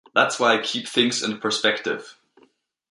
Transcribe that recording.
That's why I keep things in perspective.